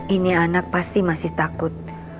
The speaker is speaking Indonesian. ini anak pasti masih takut